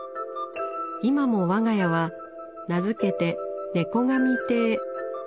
今も我が家は名付けて「猫神亭」。